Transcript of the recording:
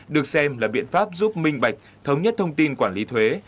được xem là biện pháp giúp minh bạch thống nhất thông tin quản lý thuế